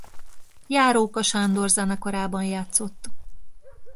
Járóka Sándor zenekarában játszott.